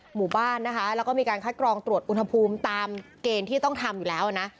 หมู่บ้านนะคะแล้วก็มีการคัดกรองตรวจอุณหภูมิตามเกณฑ์ที่ต้องทำอยู่แล้วนะ